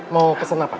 mau pesen apa